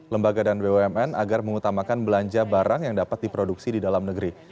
lembaga dan bumn agar mengutamakan belanja barang yang dapat diproduksi di dalam negeri